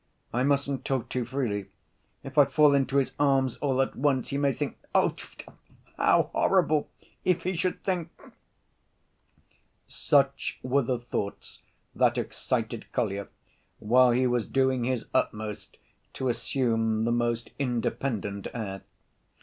I mustn't talk too freely; if I fall into his arms all at once, he may think—Tfoo! how horrible if he should think—!" Such were the thoughts that excited Kolya while he was doing his utmost to assume the most independent air.